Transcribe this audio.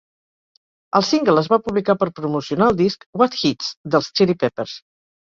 El single es va publicar per promocionar el disc What Hits!? dels Chili Peppers.